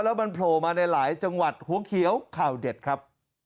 แล้วมันโผล่มาในหลายจังหวัดหัวเขียวข่าวเด็ดครับ